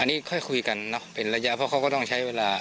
อันนี้ค่อยคุยกันเนอะเป็นระยะเพราะเขาก็ต้องใช้เวลา